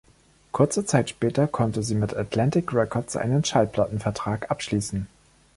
Kurze Zeit später konnte sie mit Atlantic Records einen Schallplattenvertrag abschließen.